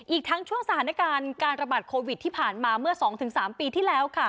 อีกทั้งช่วงสถานการณ์การระบาดโควิดที่ผ่านมาเมื่อ๒๓ปีที่แล้ว